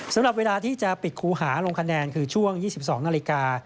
สำหรับเวลาที่จะปิดคูหาลงคะแนนคือช่วง๒๒นาฬิกา